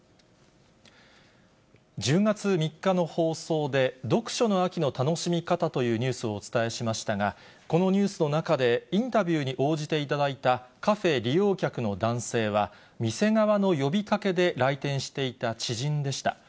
１０月３日の放送で、読書の秋の楽しみ方というニュースをお伝えしましたが、このニュースの中で、インタビューに応じていただいたカフェ利用客の男性は、店側の呼びかけで来店していた知人でした。